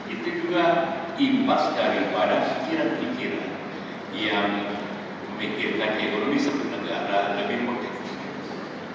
itu juga impas daripada pikiran pikiran yang memikirkan ekonomi sebagai negara lebih proteksturis